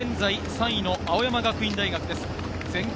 現在３位の青山学院大学です。